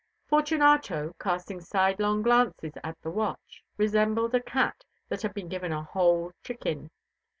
Fortunato, casting sidelong glances at the watch, resembled a cat that has been given a whole chicken.